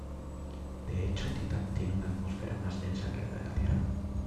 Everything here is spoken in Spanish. De hecho Titán tiene una atmósfera más densa que la de la Tierra.